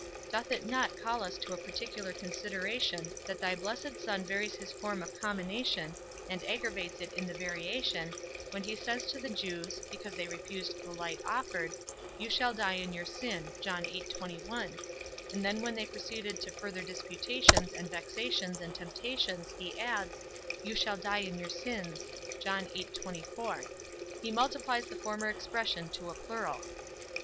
Doth it not call us to a particular consideration that thy blessed Son varies his form of commination, and aggravates it in the variation, when he says to the Jews (because they refused the light offered), You shall die in your sin: and then when they proceeded to farther disputations, and vexations, and temptations, he adds, You shall die in your sins; he multiplies the former expression to a plural.